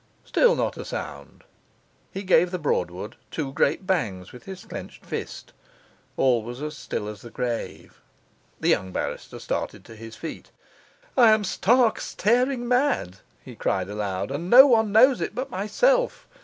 Still not a sound. He gave the Broadwood two great bangs with his clenched first. All was still as the grave. The young barrister started to his feet. 'I am stark staring mad,' he cried aloud, 'and no one knows it but myself.